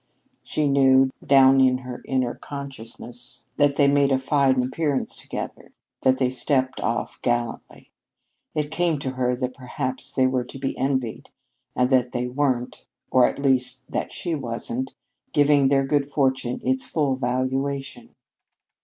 She knew, down in her inner consciousness, that they made a fine appearance together, that they stepped off gallantly. It came to her that perhaps they were to be envied, and that they weren't or at least that she wasn't giving their good fortune its full valuation.